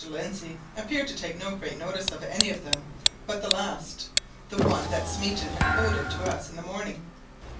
Lindsey appeared to take no great notice of any of them but the last the one that Smeaton had quoted to us in the morning.